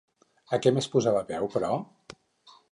A què més posava veu, però?